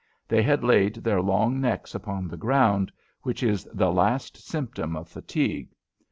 They had laid their long necks upon the ground, which is the last symptom of fatigue.